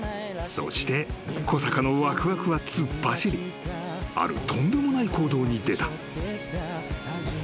［そして小坂のわくわくは突っ走りあるとんでもない行動に出た］